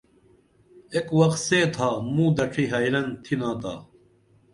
ایک وخ سے تھا موں دڇھی حیرن تِھنا تا